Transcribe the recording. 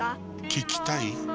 聞きたい？